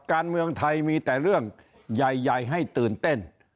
การเมืองไทยมีแต่เรื่องใหญ่ให้ตื่นเต้น